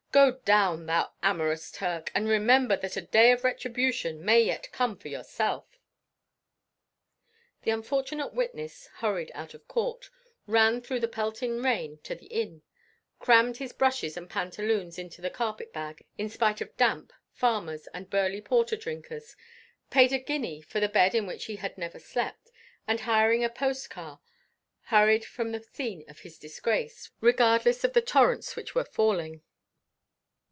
Go down, thou amorous Turk, and remember that a day of retribution may yet come for yourself." The unfortunate witness hurried out of court ran through the pelting rain to the inn crammed his brushes and pantaloons into the carpet bag in spite of damp, farmers, and burly porter drinkers paid a guinea for the bed in which he had never slept, and hiring a post car, hurried from the scene of his disgrace, regardless of the torrents which were falling.